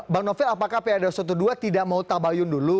bang novel apakah padr dua belas tidak mau tabayun dulu